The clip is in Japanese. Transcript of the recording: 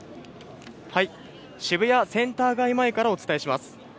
渋谷センター街前からお伝えします。